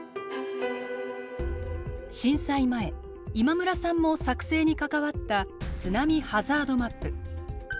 震災前今村さんも作成に関わった津波ハザードマップ。